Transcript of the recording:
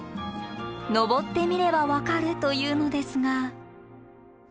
登ってみれば分かるというのですが。